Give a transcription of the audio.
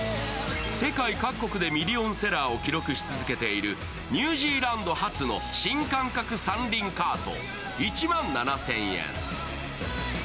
世界各国でミリオンセラーを記録し続けているニュージーランド発の新感覚３輪カート。